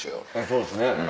そうですね。